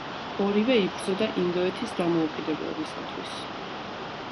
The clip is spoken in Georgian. ორივე იბრძოდა ინდოეთის დამოუკიდებლობისათვის.